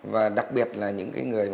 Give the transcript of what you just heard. và đặc biệt là những người